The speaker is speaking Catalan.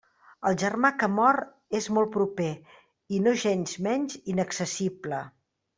El germà que mor és molt proper, i nogensmenys inaccessible.